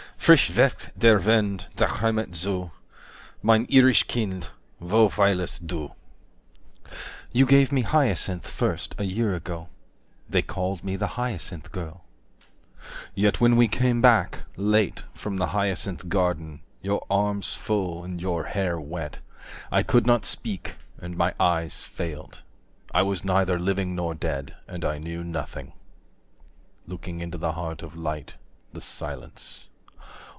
30 Frisch weht der Wind Der Heimat zu, Mein Irisch Kind, Wo weilest du? "You gave me hyacinths first a year ago; 35 They called me the hyacinth girl." —Yet when we came back, late, from the Hyacinth garden, Your arms full, and your hair wet, I could not Speak, and my eyes failed, I was neither Living nor dead, and I knew nothing, 40 Looking into the heart of light, the silence.